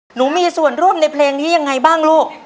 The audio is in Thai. หนูมีส่วนร่วมในเพลงนี้ยังไงบ้างลูก